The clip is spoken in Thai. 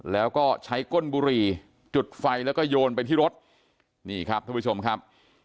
แล้วก็ใช้ก้นบุหรี่จุดไฟแล้วก็โยนไปที่รถนี่ครับท่านผู้ชมครับ